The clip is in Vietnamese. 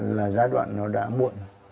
là giai đoạn nó đã muộn